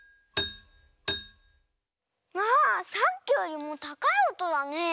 あさっきよりもたかいおとだね。